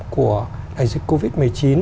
của đại dịch covid một mươi chín